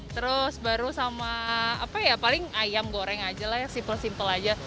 terus baru sama apa ya paling ayam goreng aja lah yang simple simple aja